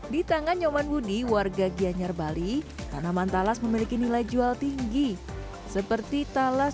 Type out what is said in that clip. di tangan nyoman budi warga gianyar bali tanaman talas memiliki nilai jual tinggi seperti talas